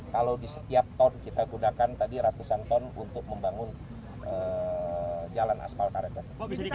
kalau di setiap ton kita gunakan tadi ratusan ton untuk membangun jalan aspal karet